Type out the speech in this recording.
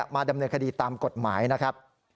มาดำเนินคดีตามกฎหมายนะครับ